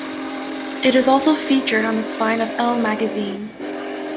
It is also featured on the spine of "Elle" magazine.